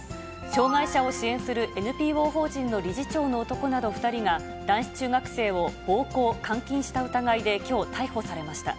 障がい者を支援するＮＰＯ法人の理事長の男など２人が、男子中学生を暴行、監禁した疑いできょう、逮捕されました。